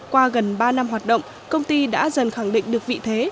qua gần ba năm hoạt động công ty đã dần khẳng định được vị thế